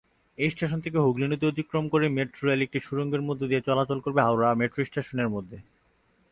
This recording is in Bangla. এই স্টেশন থেকে হুগলী নদী অতিক্রম করে মেট্রো রেল একটি সুড়ঙ্গের মধ্য দিয়ে চলাচল করবে হাওড়া মেট্রো স্টেশন-এর মধ্যে।